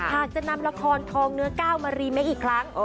หากจะนำละครทองเนื้อก้าวมารีเมคอีกครั้ง